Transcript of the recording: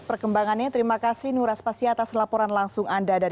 perkembangannya terima kasih nuraspasi atas laporan langsung anda